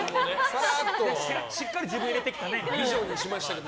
しっかり自分入れてきたね。